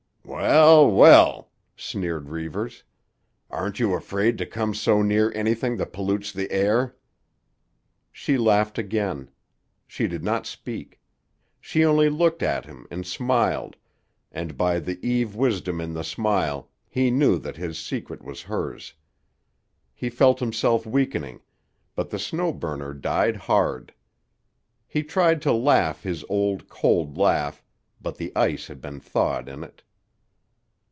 "Well, well!" sneered Reivers. "Aren't you afraid to come so near anything that pollutes the air?" She laughed again. She did not speak. She only looked at him and smiled, and by the Eve wisdom in the smile he knew that his secret was hers. He felt himself weakening, but the Snow Burner died hard. He tried to laugh his old, cold laugh, but the ice had been thawed in it.